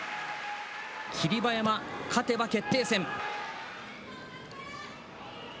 霧馬山、勝てば決定戦。